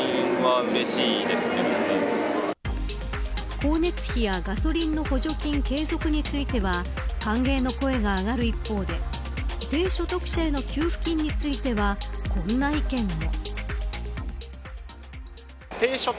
光熱費やガソリンの補助金継続については歓迎の声が上がる一方で低所得者への給付金についてはこんな意見も。